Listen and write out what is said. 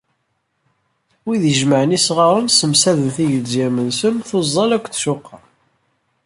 Wid ijemmɛen isɣaren, ssemsaden tiglezyam-nsen, tuẓẓal akked tcuqar.